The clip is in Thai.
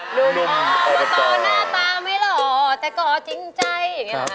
หนุ่มอวัตโตหนุ่มอวัตโตหน้าตาไม่หล่อแต่กอจริงใจ